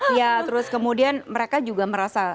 iya terus kemudian mereka juga merasa